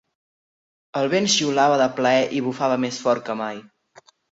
El vent xiulava de plaer i bufava més fort que mai.